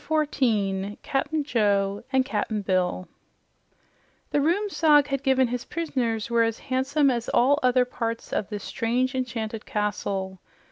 CHAPTER 14 CAP'N JOE AND CAP'N BILL The rooms Zog had given his prisoners were as handsome as all other parts of this strange enchanted castle.